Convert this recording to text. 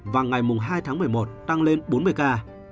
và ngày hai tháng một mươi một tăng lên bốn mươi ca